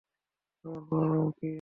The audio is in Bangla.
তোমার পুরো নাম কি?